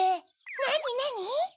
なになに？